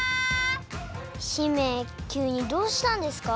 姫きゅうにどうしたんですか？